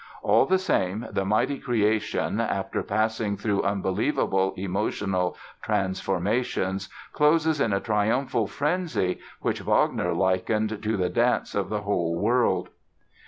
All the same, the mighty creation, after passing through unbelievable emotional transformations, closes in a triumphal frenzy which Wagner likened to "the dance of the whole world."